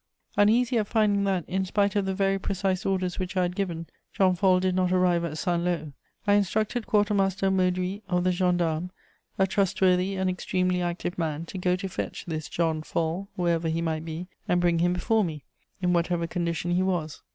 "Uneasy at finding that, in spite of the very precise orders which I had given, John Fall did not arrive at Saint Lô, I instructed Quarter master Mauduit of the gendarmes, a trustworthy and extremely active man, to go to fetch this John Fall, wherever he might be, and bring him before me, in whatever condition he was.